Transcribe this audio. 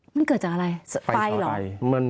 มันเกิดจากอะไรไฟเหรอ